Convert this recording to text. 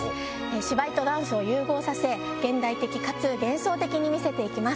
芝居とダンスを融合させ現代的かつ幻想的に見せてます。